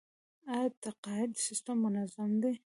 آیا تقاعد سیستم منظم دی؟